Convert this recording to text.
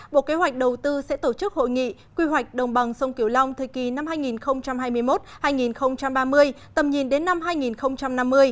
bộ kế hoạch đầu tư sẽ tổ chức hội nghị quy hoạch đồng bằng sông kiểu long thời kỳ năm hai nghìn hai mươi một hai nghìn ba mươi tầm nhìn đến năm hai nghìn năm mươi